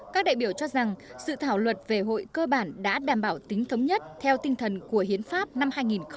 các đại biểu cho rằng sự thảo luật về hội cơ bản đã đảm bảo tính thống nhất theo tinh thần của hiến pháp năm hai nghìn một mươi ba